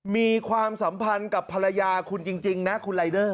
มีความสัมพันธ์กับภรรยาคุณจริงนะคุณรายเดอร์